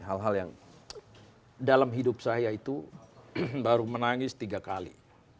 hal hal yang dalam hidup saya itu baru menangis tiga kali